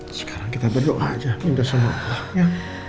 sekarang kita berdoa aja minta salam allah ya